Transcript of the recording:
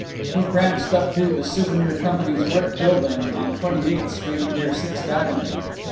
He pranced up to the Souvenir Company's brick building, on Twenty eighth Street near Sixth Avenue.